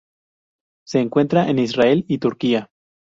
Se encuentra en Israel y Turquía.